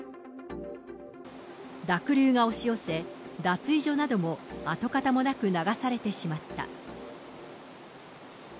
濁流が押し寄せ、脱衣所なども跡形もなく流されてしまった。